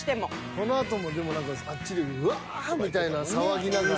そのあともでも何かあっちで「わあ！」みたいな騒ぎながら。